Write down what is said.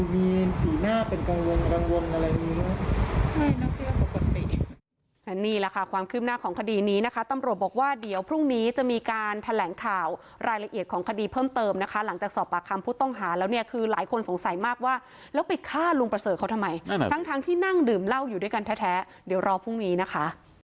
นี่แหละค่ะความคืบหน้าของคดีนี้นะคะตำรวจบอกว่าเดี๋ยวพรุ่งนี้จะมีการแถลงข่าวรายละเอียดของคดีเพิ่มเติมนะคะหลังจากสอบปากคำผู้ต้องหาแล้วเนี่ยคือหลายคนสงสัยมากว่าแล้วไปฆ่าลุงประเสริฐเขาทำไมทั้งที่นั่งดื่มเหล้าอยู่ด้วยกันแท้เดี๋ยวรอพรุ่งนี้นะคะ